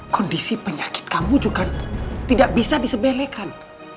kondisi penyakit kamu juga tidak bisa disebelekan